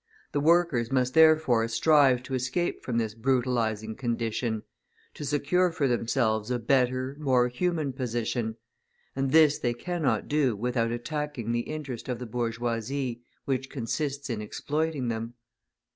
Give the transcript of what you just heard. The workers must therefore strive to escape from this brutalizing condition, to secure for themselves a better, more human position; and this they cannot do without attacking the interest of the bourgeoisie which consists in exploiting them.